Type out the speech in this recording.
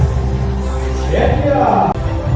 สโลแมคริปราบาล